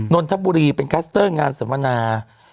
นนทบุรีเป็นคลัสเตอร์งานสัมมนา